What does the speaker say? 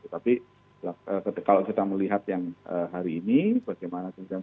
tapi kalau kita lihat yang hari ini bagaimana proses evakuasinya